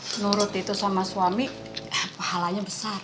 kan nurut itu sama suami pahalanya besar